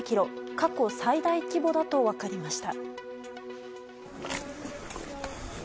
過去最大規模だと分かりました。